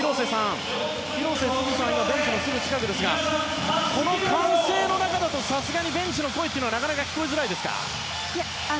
広瀬さん、今ベンチのすぐ近くですがこの歓声の中だとさすがにベンチの声はなかなか聞こえづらいですか？